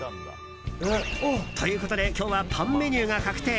ということで今日はパンメニューが確定。